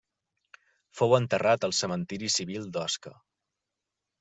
Fou enterrat al cementiri civil d'Osca.